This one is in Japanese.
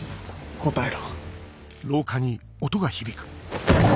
答えろ！